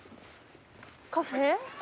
カフェ？